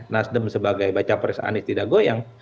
nasdem sebagai baca pres anies tidak goyang